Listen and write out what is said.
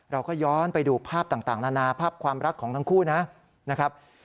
เราก็ย้อนไปดูภาพต่างนานาภาพความรักของทั้งคู่นะครับ